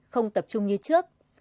không tập trung như trước